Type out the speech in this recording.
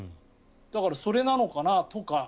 だから、それなのかなとか。